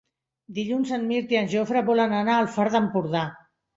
Dilluns en Mirt i en Jofre volen anar al Far d'Empordà.